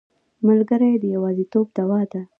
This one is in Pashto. ملګری د یوازیتوب دوا ده.